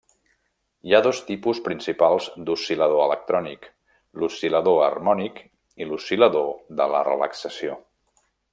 Hi ha dos tipus principals d'oscil·lador electrònic: l'oscil·lador harmònic i l'oscil·lador de la relaxació.